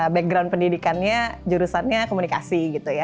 background pendidikannya jurusannya komunikasi